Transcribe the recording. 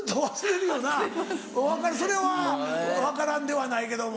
それは分からんではないけども。